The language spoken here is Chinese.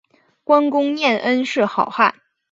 观功念恩是好汉